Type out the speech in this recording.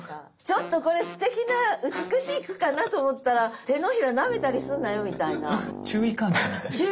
ちょっとこれすてきな美しい句かなと思ったら「手のひらなめたりすんなよ」みたいな。注意喚起。